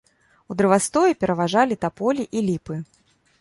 У дрэвастоі пераважалі таполі і ліпы.